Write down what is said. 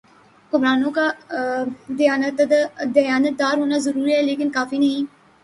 حکمرانوں کا دیانتدار ہونا ضروری ہے لیکن کافی نہیں۔